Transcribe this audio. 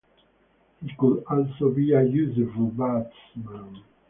He could also be a useful batsman.